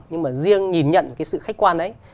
nhưng mà riêng nhìn nhận cái sự khách quan đấy